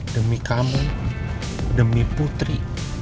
demi kamu demi putri